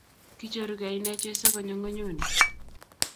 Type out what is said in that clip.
Kichoruge inne jeso konyo ngonyuni